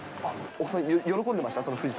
お子さん、喜んでました？